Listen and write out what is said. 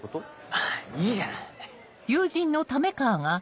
まぁいいじゃない。